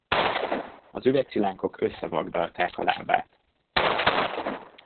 Az üvegszilánkok összevagdalták a lábát.